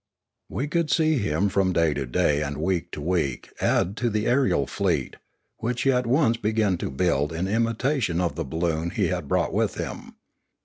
We could see him from day to day and week to week add to the aerial fleet, which he at once began to build in imitation of the balloon he had brought with him.